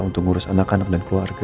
untuk ngurus anak anak dan keluarga